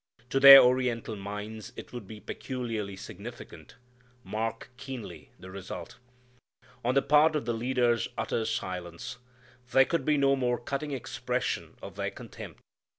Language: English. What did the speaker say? To their Oriental minds it would be peculiarly significant, Mark keenly the result. On the part of the leaders utter silence There could be no more cutting expression of their contempt.